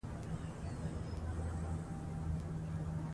د اوبو مدیریت د زراعت د ودې لپاره اړین دی.